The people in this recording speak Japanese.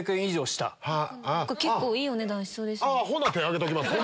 ほんなら手挙げときます